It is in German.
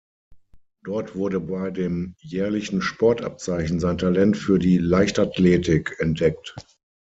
Dort wurde bei dem jährlichen Sportabzeichen sein Talent für die Leichtathletik entdeckt.